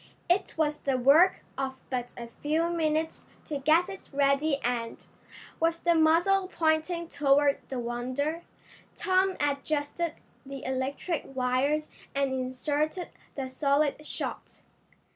It was the work of but a few minutes to get it ready and, with the muzzle pointing toward the Wonder, Tom adjusted the electric wires and inserted the solid shot.